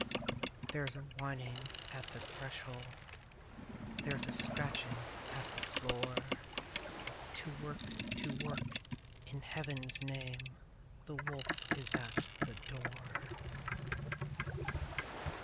There's a whining at the threshold There's a scratching at the floor To work! To work! In Heaven's name! The wolf is at the door!